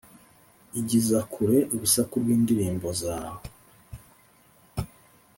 Igiza kure urusaku rw’indirimbo zawe,